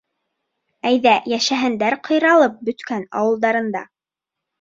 Әйҙә, йәшәһендәр ҡыйралып бөткән ауылдарында.